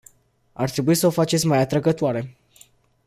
Ar trebui să o faceți mai atrăgătoare.